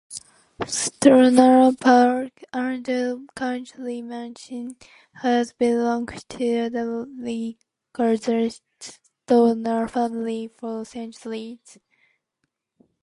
Stonor Park, another country mansion, has belonged to the recusant Stonor family for centuries.